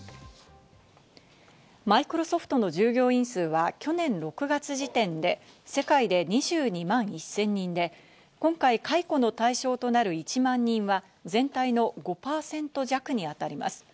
マイクロソフトの従業員数は去年６月時点で、世界で２２万１０００人で、今回解雇の対象となる１万人は全体の５％弱にあたります。